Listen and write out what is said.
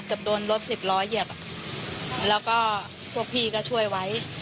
เกือบโดนรถสิบล้อเหยียบแล้วก็พวกพี่ก็ช่วยไว้